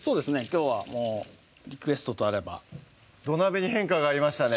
きょうはもうリクエストとあれば土鍋に変化がありましたね！